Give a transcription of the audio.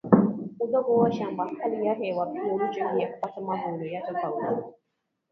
udogo wa shamba hali ya hewa pia huchangia kupata mavuno ya tofauti